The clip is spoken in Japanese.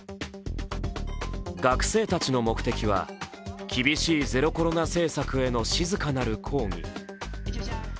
学生たちの目的は、厳しいゼロコロナ政策への静かなる抗議。